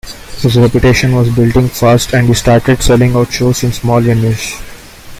His reputation was building fast and he started selling out shows in smaller venues.